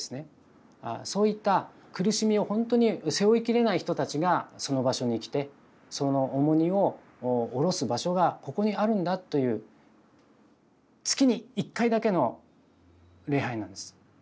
そういった苦しみをほんとに背負いきれない人たちがその場所に来てその重荷を下ろす場所がここにあるんだという月に１回だけの礼拝なんです。